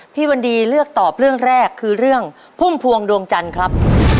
พี่วันดีเลือกตอบเรื่องแรกคือเรื่องพุ่มพวงดวงจันทร์ครับ